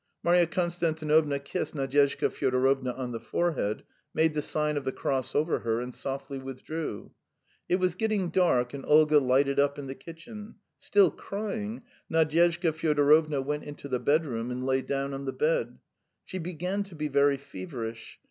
Marya Konstantinovna kissed Nadyezhda Fyodorovna on the forehead, made the sign of the cross over her, and softly withdrew. It was getting dark, and Olga lighted up in the kitchen. Still crying, Nadyezhda Fyodorovna went into the bedroom and lay down on the bed. She began to be very feverish.